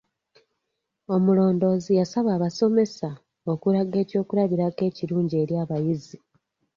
Omulondoozi yasaba abasomesa okulaga ekyokulabirako ekirungi eri abayizi.